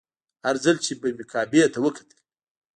هر ځل چې به مې کعبې ته وکتل.